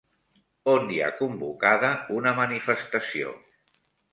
On hi ha convocada una manifestació?